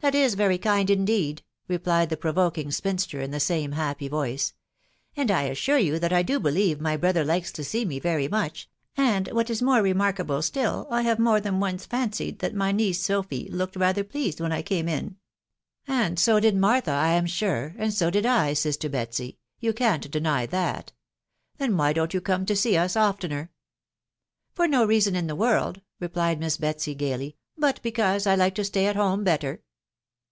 ""That is very kind, indeed !" replied the provoking spin ster in the same happy voice ;" and I assure you that I do believe my brother likes to see me very much) sad, wtax \t> tnore remarkable still, I have more than once fancied taaX rn^j *« Sophy looked rather pleased when I came in." THE WIDOW BAKNABY* IS " And so did Martha, I am sure, .... and so did I, sister Betsy ; you can't deny that :.... then why don't you come to see us oftener ?"" For nb reason in the world/' replied Miss Betsy gaily, " but because J like to stay at home better."